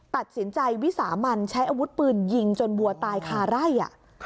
ตัดสินใจวิสามันใช้อาวุธปืนยิงจนวัวตายคาไร่